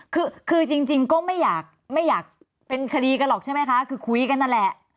คือคือจริงก็ไม่อยากไม่อยากเป็นคดีกันหรอกใช่ไหมคะคือคุยกันนั่นแหละ